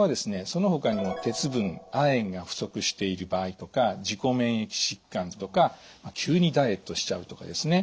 そのほかにも鉄分亜鉛が不足している場合とか自己免疫疾患とか急にダイエットしちゃうとかですね